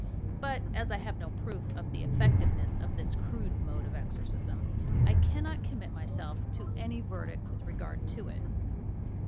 But as I have no proof of the effectiveness of this crude mode of exorcism, I cannot commit myself to any verdict with regard to it.